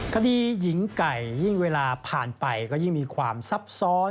คดีหญิงไก่ยิ่งเวลาผ่านไปก็ยิ่งมีความซับซ้อน